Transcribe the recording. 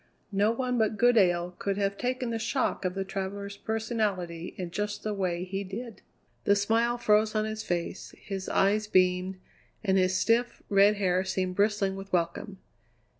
No one but Goodale could have taken the shock of the traveller's personality in just the way he did. The smile froze on his face, his eyes beamed, and his stiff, red hair seemed bristling with welcome.